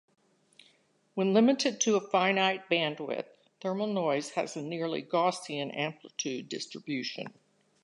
When limited to a finite bandwidth, thermal noise has a nearly Gaussian amplitude distribution.